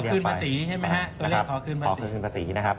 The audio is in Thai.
ขอขึ้นภาษีใช่ไหมฮะตัวเลขขอขึ้นภาษี